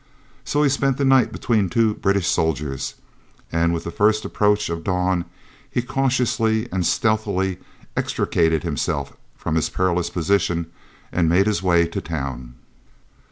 So he spent the night between two British soldiers, and with the first approach of dawn he cautiously and stealthily extricated himself from his perilous position and made his way to town.